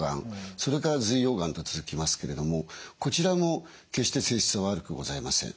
それから髄様がんと続きますけれどもこちらも決して性質は悪くございません。